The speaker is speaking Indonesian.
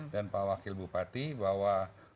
dan pak wakil bupati bahwa